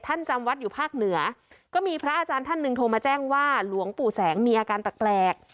จำวัดอยู่ภาคเหนือก็มีพระอาจารย์ท่านหนึ่งโทรมาแจ้งว่าหลวงปู่แสงมีอาการแปลก